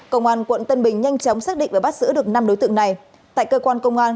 công an quận tân bình nhanh chóng xác định và bắt giữ được năm đối tượng này tại cơ quan công an